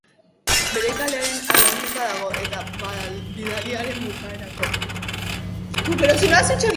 Bere kalearen aldamenekoan dago, eta bidaldiaren bukaeran.